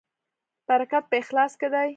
برکت په اخلاص کې دی